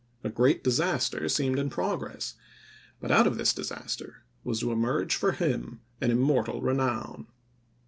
A great disaster seemed in ppf^iL progress — but out of this disaster was to emerge for him an immortal renown.